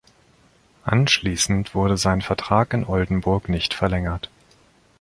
Anschließend wurde sein Vertrag in Oldenburg nicht verlängert.